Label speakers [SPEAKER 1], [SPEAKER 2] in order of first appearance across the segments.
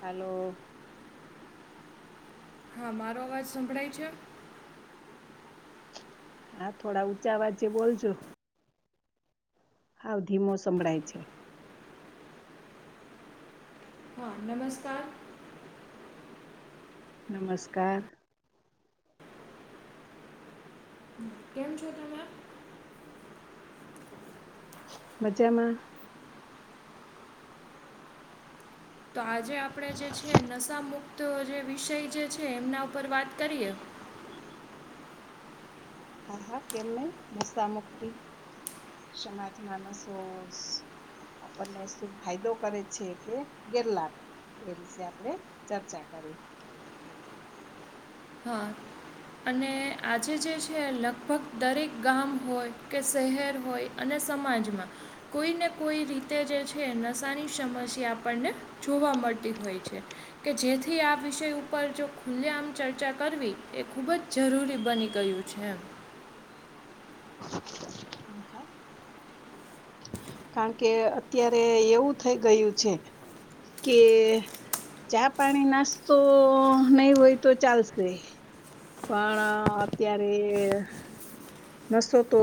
[SPEAKER 1] હાલો
[SPEAKER 2] હા મારો અવાજ સંભળાય છે?
[SPEAKER 1] હા થોડા ઊંચા અવજે બોલ જો? હાવ ધીમો સંભળાય છે.
[SPEAKER 2] હા નમસ્કાર.
[SPEAKER 1] નમસ્કાર
[SPEAKER 2] કેમ છો તમે?
[SPEAKER 1] મજામાં.
[SPEAKER 2] તો આજે આપણે જે છે નશા મુુક્ત જે વિષય જે છે એમના ઉપર વાત કરીએ.
[SPEAKER 1] હા, હા કેમ નહીં. નશા મુક્તિ. સમાજમાં નશોસ આપણને શું ફાયદો કરે છે કે ગેરલાભ. એ વિશે આપણે ચર્ચા કરી
[SPEAKER 2] હા. અને આજે જે છે લગભગ દરેક ગામ હોય, કે શહેર હોય અને સમાજમાં કોઈને કોઈ રીતે જે છે નશાની સમસ્યા આપણને જોવા મળતી હોય છે, કે જેથી આ વિષય ઉપર જો ખુલ્લે આમ ચર્ચા કરવી એ ખૂબ જ જરૂરી બની ગયું છે એમ.
[SPEAKER 1] [inaudible] [inaudible] કારણ કે અત્યારે એવું થઇ ગયું છે કે ચા, પાણી, નાસ્તો નહીં હોય તો ચાલશે. પણ અત્યારે નશો તો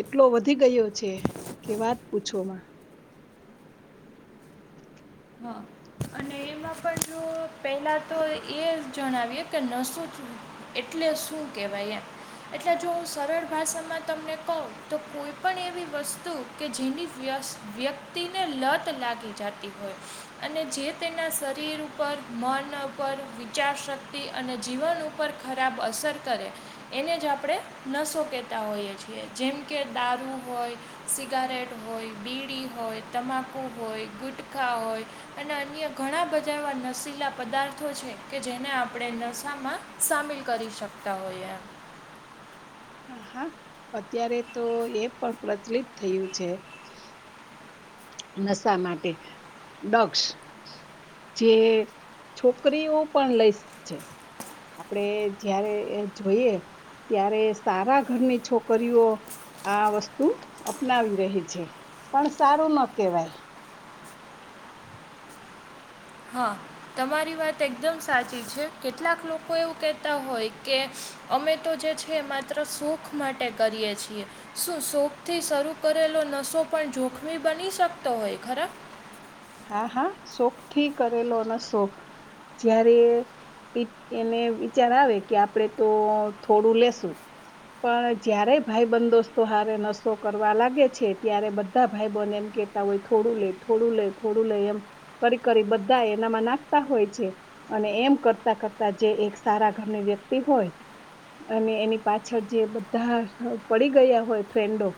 [SPEAKER 1] એટલો વધી ગયો છે કે વાત પૂછો માં.
[SPEAKER 2] હા. અન અને એમાં પણ જો પહેલા તો એ જણાવીએ કે નશો [unintelligible] એટલે શું કહેવાય એમ? એટલે જો હું સરળ ભાષામાં તમને કહું, તો કોઈ પણ એવી વસ્તુ કે જેની વ્યસ વ્યક્તિને લત લાગી જતી હોય. અને જે તેના શરીર ઉપર મન ઉપર વિચારશક્તિ અને જીવન ઉપર. ખરાબ અસર કરે. એને જ આપણે નસો કહેતા હોઈએ છીએ જેમ કે દારૂ હોય. સિગારેટ હોય બીડી હોય તમાકુ હોય ગુટખા હોય. અને અન્ય ઘણા બધા એવા નશીલા પદાર્થો છે કે જેને આપણે નસાામાં. સામેલ કરી શકતા હોઈએ એમ.
[SPEAKER 1] હા હા અત્યારે તો એ પણ પ્રચલિત થયું છે. નશા માટે ડગક્ષ. જે છોકરીઓ પણ લઈ છે. આપણેે જયારે જોઈએ ત્યારે સારા ઘરની છોકરીઓ. આ વસ્તુ અપનાવી રહી છે પણ સારું ન કેહેવાય.
[SPEAKER 2] હા તમારી વાત એકદમ સાચી છે કેટલાક લોકો એવું કહેતા હોય કે. અમે તો જે છે માત્ર સુખ માટે કરીએ છીએ. શું શોખથી શરૂ કરેલો નસો પણ જોખમી બની શકતો હોય ખરા.
[SPEAKER 1] હા હા શોખ થી કરેલો નશો જ્યારે. એને વિચાર આવે કે આપડે તો થોડું લેશું. પણ જયારે ભાઈ બંધો દોસ્તો હારે નશો કરવા લાગે છે ત્યારે બધા. ભાઈબન એમ કેતા હોય થોડું લે થોડું લે થોડું લે એમ. કરી કરી બધા એનામાં નાખતા હોય છે. અને એમ કરતા કરતા જે એક સારા ઘરની વ્યક્તિ હોય. અને એની પાછળ જે બધા પડી ગયા હોય ફ્રેન્ડો.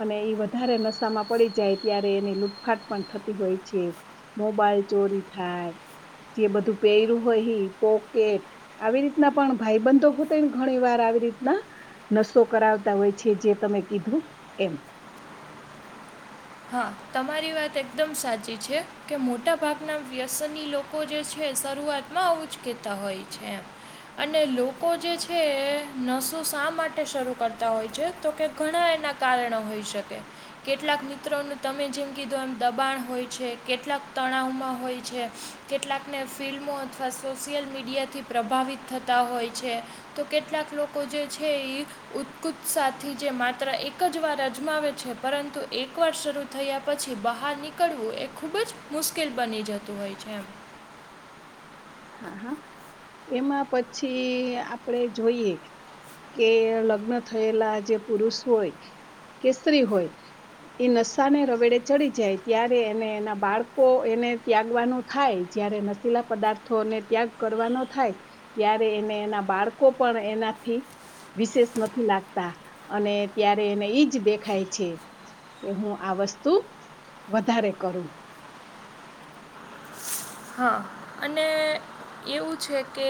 [SPEAKER 1] અને એ વધારે નશામાં પડી જાય ત્યારે એની લૂટફાટ પણ થતી હોય. મોબાઈલ ચોરી થાય જે બધું પહેરું હોય હી પોકેટ. આવી રીતના પણ ભાઈ બંધો હોતાને ઘણી વાર આવી રીતના. નસો કરાવતા હોય છે જે તમે કીધું એમ.
[SPEAKER 2] હા, તમારી વાત એકદમ સાચી છે કે મોટા ભાગના વ્યસની લોકો જે છે, શરૂઆતમાં આવું જ કેતા હોય છે અને લોકો જે છે નસો શા માટે શરૂ કરતા હોય છે તો કે ઘણા એના કારણો હોઈ શકે કેટલાક મિત્રોનું તમે જેમ કીધું એમ દબાણ હોય છે, કેટલાક તણાવમાં હોય છે કેટલાકને ફિલ્મો અથવા સોશિયલ મીડિયાથી પ્રભાવિત થતા હોય છે તો કેટલાક લોકો જે છે એઈ ઉત્કુત્સાથી જે માત્ર એક જ વાર અજમાવે છે પરંતુ એક એકવાર શરૂ થયા પછી બહાર નીકળવું એ ખૂબ જ મુશ્કેલ બની જતું હોય છે એમ
[SPEAKER 1] હા, હા, એમાં પછી આપડે જોઈએ કે લગ્ન થયેલા જે પુરુષ હોય કે સ્ત્રી હોય એ નશાને રવેડે ચડી જાય ત્યારે એને એના બાળકો એને ત્યાગવાનું થાય જય્યારે નશીલા પદાર્થ ને ત્યાગ કરવાનો થાય ત્યારે એને એના બાળકો પણ એનાથી વિશેષ નથી લાગતા અને ત્યારે એને ઈજ દેખાય છે. કે હું આ વસ્તુ વધારે કરું.
[SPEAKER 2] હા, અને એવું છે કે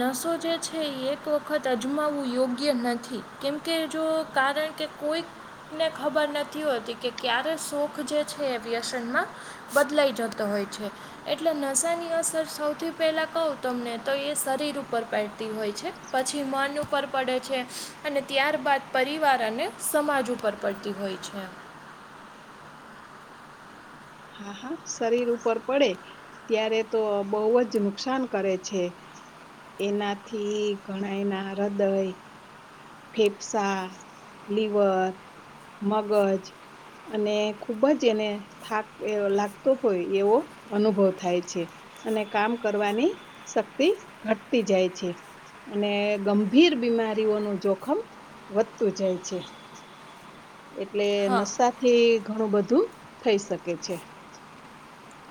[SPEAKER 2] નસો જે છે એ એક વખત અજમાવવું યોગ્ય નથી કેમકે જો કારણ કે કોઈકને ખબર નથી હોતી કે ક્યારે સોખ જે છે એ વ્યસનમાં બદલાઈ જતો હોય છે એટલે નશાની અસર સૌથી પહેલાં કહું તમને તો એ શરીર ઉપર પડતી હોય છે પછી મન ઉપર પડે છે અને ત્યારબાદ પરિવાર અને સમાજ ઉપર પડે પડતી હોય છે એમ.
[SPEAKER 1] હા, હા, શરીર ઉપર પડે ત્યારે તો બહુ જ નુકસાન કરે છે એનાથી ઘણાય ના હૃદય ફેફસા, લીવર, મગજ અને ખુબ જ એને થાક લાગતો હોય એવો અનુભવ થાય છે અને કામ કરવાની શક્તિ ઘટતી જાય છે, અને ગંભીર બીમારીઓનું જોખમ વધતું જાય છે એટલે
[SPEAKER 2] હા
[SPEAKER 1] નશાથી ઘણું બધું થઈ શકે છે.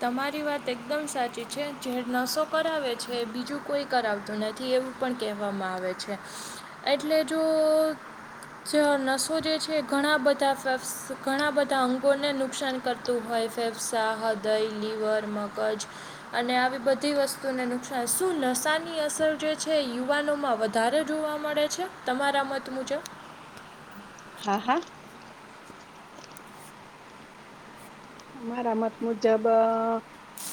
[SPEAKER 2] તમારી વાત એકદમ સાચી છે, જે નસો કરાવે છે બીજું કોઈ કરાવતું નથી એવું પણ કહેવામાં આવે છે, એટલે જો જે નસો જે છે ઘણાબધા, ઘણાબધા અંગોને નુકસાન કરતું હોય ફેફસા, હૃદય, લીવર, મગજ અને આવી બધી વસ્તુને નુકસાન, શું નશાની અસર જે છે યુવાનોમાં વધ વધારે જોવા મળે છે, તમારા મત મુજબ
[SPEAKER 1] હા, હા અમારા મત મુજબ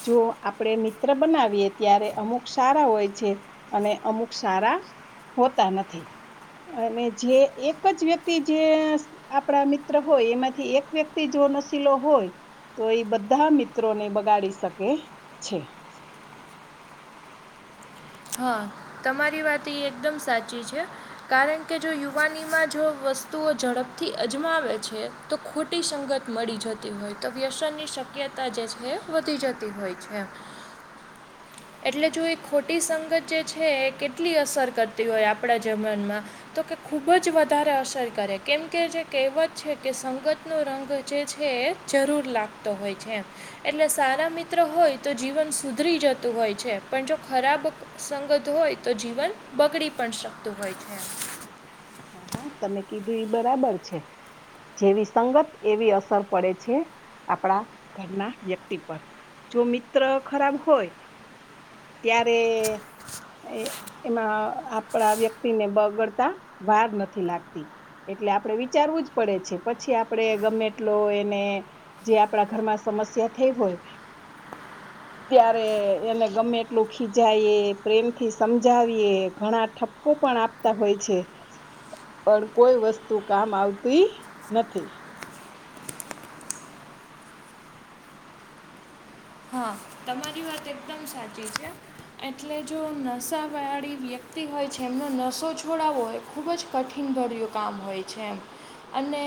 [SPEAKER 1] જો આપણે મિત્ર બનાવીએ ત્યારે અમુક સારા હોય છે અને અમુક સારા હોતા નથી. અને જે એક જ વ્યક્તિ જે આપણા મિત્ર હોય એમાંથી એક વ્યક્તિ જો નશીલો હોય તો એ બધા મિત્રોને બગાડી શકે છે.
[SPEAKER 2] હા, તમારી વાત ઈ એકદમ સાચી છે કારણ કે જો યુવાનીમાં જો વસ્તુઓ ઝડપથી અજમાવે છે તો ખોટી સંગત મળી જતી હોય તો વ્યસનની શક્યતા જે છે એ વધી જતી હોય છે.
[SPEAKER 1] [inaudible]
[SPEAKER 2] એટલે જો એક ખોટી સંગત જે છે એ કેટલી અસર કરતી હોય આપણા જીવનમાં. તો કે ખૂબ જ વધારે અસર કરે કેમ કે જે કહેવત છે કે સંગત રંગ જે છે જરૂર લાગતો હોય છે. એટલે સારા મિત્ર હોય તો જીવન સુધરી જતું હોય છે પણ જો ખરાબ સંગત હોય તો જીવન બગડી પણ શકતું હોય છે.
[SPEAKER 1] હા હા તમે કીધું એ બરાબર છે. જેવી સંગત એવી અસર પડે છે આપણા ઘરના વ્યક્તિ પર. જો મિત્ર ખરાબ હોય ત્યારે એમાં આપણા વ્યક્તિને બગડતા વાર નથી લાગતી. એટલે આપણે વિચારવું જ પડે છે પછી આપણે ગમે એટલો એને જે આપણા ઘરમાં સમસ્યા થઈ હોય ત્યારે એને ગમે એટલું ખીજાયે, પ્રેમથી સમજાવીએ ઘણા ઠપકો પણ આપ તા હોય છે. પણ કોઈ વસ્તુ કામ આવતી નથી.
[SPEAKER 2] હા તમારી વાત એકદમ સાચી છે. એટલે જો નશાવાળી વ્યક્તિ હોય છે એમનો નશો છોડાવવો હોય ખૂબ જ કઠિન ભર્યું કામ હોય છે. અને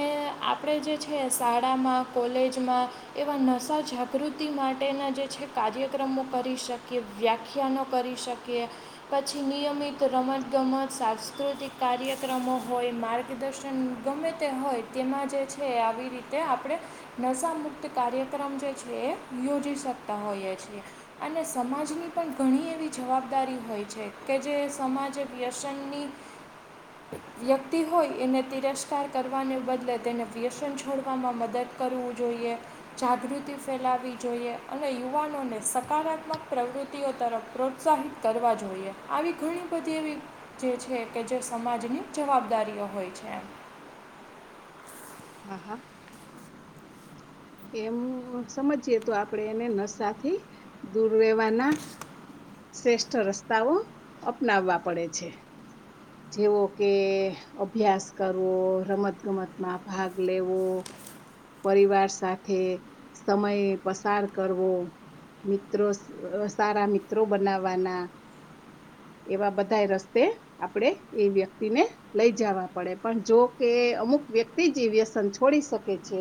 [SPEAKER 2] આપણે જે છે શાળામાં કોલેજમાં એવા નશા જાગૃતિ મા ટેના જે છે કાર્યક્રમો કરી શકીએ, વ્યાખ્યાનો કરી શકીએ પછી નિયમિત રમતગમત સાંસ્કૃતિક કાર્યક્રમો હોય મા ર્ગદર્શન ગમે તે હોય તેમાં જે છે આવી રીતે આપણે નશા મુક્ત કાર્યક્રમ જે છે એ યોજી શકતા હોઈએ છીએ. અને સમાજની પણ ઘણી એવી જવાબદારી હોય છે કે જે સમાજે વ્યસનની વ્યક્તિ હોય એને તિરસ્કાર કરવાને બદલે તેને વ્યસન છોડવામાં મદદ કરવું જોઈએ જાગૃતિ ફેલાવી જોઈએ. અને યુવાનોને સકારાત્મક પ્રવૃત્તિઓ તરફ પ્રોત્સાહિત કરવા જોઈએ. આવી ઘણી બધી એવી જે છે કે જે સમાજની જવાબદારીઓ હોય છે.
[SPEAKER 1] હા હા. એમ સમજીએ તો આપણે એને નશાથી દૂર રહેેવાના શ્રેષ્ઠ રસ્તાઓ અપનાવવા પડે છે. જેવો કે અભ્યાસ કરવો રમત ગમતમાં ભાગ લેવો પરિવાર સાથે સમય પસાર કરવો. મિત્રો સ અ સારા મિત્રો બનાવવાના એવા બધા રસ્તે આપણે એ વ્યક્તિને લઈ જવા પડે પણ જો કે અમુક વ્યક્તિ વ્યસન છોડી શકે છે.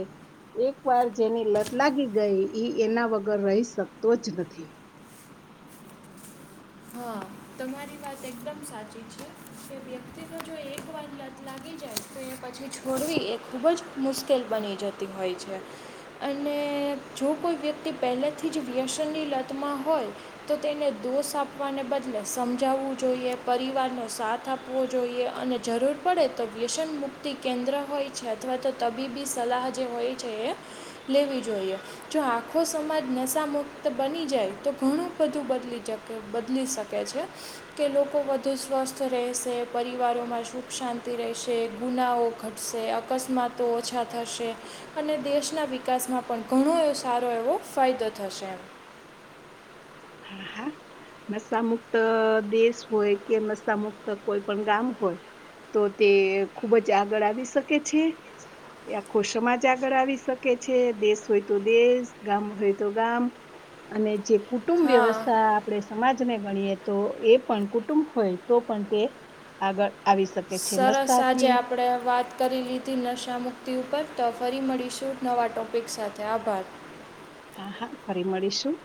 [SPEAKER 1] એક વાર જેની લત લાગી ગઈ એ એના વગર રહી શકતો જ નથી.
[SPEAKER 2] હા તમારી વાત એકદમ સાચી છે. વ્યક્તિને જો એક વાર લત લાગી જાય તો એ પછી છોડવી એ ખૂબ જ મુશ્કેલ બની જતી હોય છે. અને જો કોઈ વ્યક્તિ પહેલાથી જ વ્યસનની લતમાં હોય તો તેને દોષ આ પવાને બદલે સમજાવવું જોઈએ પરિવારનો સાથ આપવો જોઈએ અને જરૂર પડે તો વ્યસન મુક્તિ કેન્દ્ર હોય છે અથવા તો તબીબી સલાહ જે હોય છે એ લેવી જોઈએ. જો આખો સમાજ નશા મુક્ત બની જાય તો ઘણું બધું બદલી જકે બદલી શકે છે. કે લોકો વધુ સ્વસ્થ રહેશે પરિવારોમાં સુખ શાંતિ રહેશે ગુનાઓ ઘટ શે અકસ્માતો ઓછા થશે. અને દેશના વિકાસમાં પણ ઘણો એવો સારો એવો ફાયદો થશે એમ.
[SPEAKER 1] હા હા નશામુક્ત દેશ હોય કે નશામુક્ત કોઈ પણ ગામ હોય તો તે ખુબ જ આગળ આવી શકે છે. એ આખો સમાજ આગળ આવી શકે છે દેશ હોય તો દેશ ગામ હોય તો ગામ અને જે કુ ટુંબ
[SPEAKER 2] હા
[SPEAKER 1] વ્યવસ્થા આપણે સમાજને ગણીએ તો એ પણ કુટુંબ હોય તો પણ તે આગળ આવી શકે છે નસ્તાથી
[SPEAKER 2] આપડે વાત કરી લીધી નશા મુક્તિ ઉપર તો ફરી મળીશું નવા ટોપિક સાથે આભાર.
[SPEAKER 1] હા હા ફરી મળીશું.